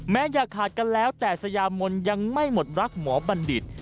อย่าขาดกันแล้วแต่สยามนยังไม่หมดรักหมอบัณฑิต